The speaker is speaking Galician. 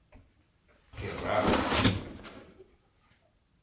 ¡Que raro...!